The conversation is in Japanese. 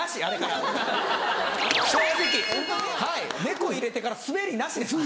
猫入れてからスベりなしです。